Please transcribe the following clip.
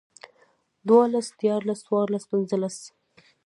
دولس ديارلس څوارلس پنځلس